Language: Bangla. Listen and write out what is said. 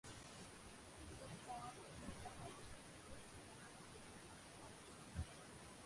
এর পর ঢাকা কলেজ থেকে তিনি আইএসসি পাশ করেন।